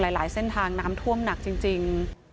หลายเส้นทางน้ำท่วมหนักจริง